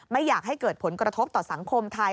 ไม่อยากให้เกิดผลกระทบต่อสังคมไทย